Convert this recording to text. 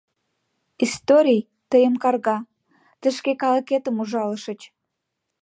Историй тыйым карга: тый шке калыкетым ужалышыч.